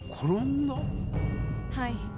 はい。